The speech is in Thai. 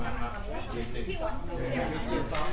ใหม่แข่งนิ้มเข้ามา